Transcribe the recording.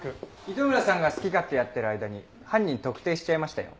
糸村さんが好き勝手やってる間に犯人特定しちゃいましたよ。